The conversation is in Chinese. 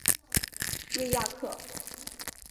瑞亚克。